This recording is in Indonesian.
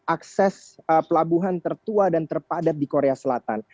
akses pelabuhan tertua dan terpadat di korea selatan